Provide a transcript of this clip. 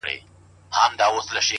هوډ د ماتې احساس کمزوری کوي!